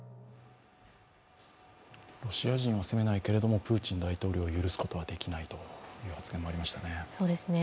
ロシア人は責めないけれども、プーチン大統領を許すことはできないという発言がありましたね。